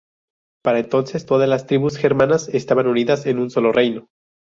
Para entonces, todas las tribus germanas estaban unidas en un solo reino.